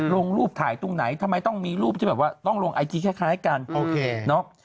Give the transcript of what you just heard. ลงรูปถ่ายตรงไหนทำไมต้องมีรูปที่แบบว่าต้องลงไอจีคล้ายกันโอเคเนาะ